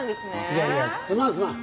いやいやすまんすまん。